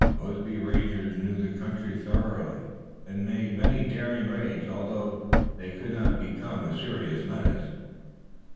Mosby's rangers knowing the country thoroughly made many daring raids, although they could not become a serious menace.